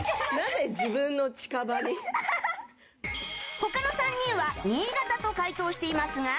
他の３人は新潟と解答していますが。